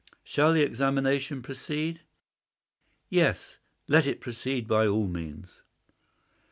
Shall the examination proceed?" "Yes; let it proceed by all means."